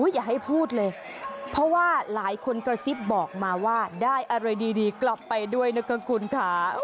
อย่าให้พูดเลยเพราะว่าหลายคนกระซิบบอกมาว่าได้อะไรดีกลับไปด้วยนะคะคุณค่ะ